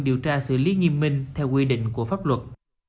điều tra xử lý nghiêm minh theo quy định của pháp luật